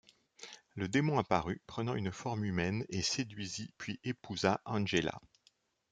Le démon apparut, prenant une forme humaine, et séduisit puis épousa Angela.